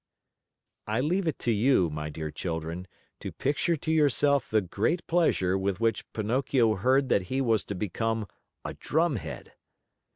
I leave it to you, my dear children, to picture to yourself the great pleasure with which Pinocchio heard that he was to become a drumhead!